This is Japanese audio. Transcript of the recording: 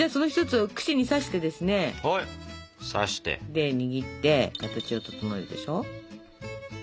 で握って形を整えるでしょ。